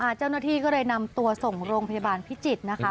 เจ้าหน้าที่ก็เลยนำตัวส่งโรงพยาบาลพิจิตรนะคะ